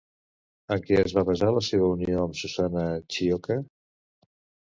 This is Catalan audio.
En què es va basar la seva unió amb Susana Chiocca?